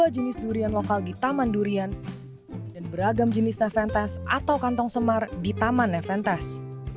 dua jenis durian lokal di taman durian dan beragam jenis neventest atau kantong semar di taman neventes